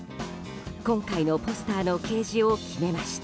今回のポスターの掲示を決めました。